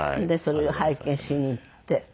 でそれを拝見しに行って。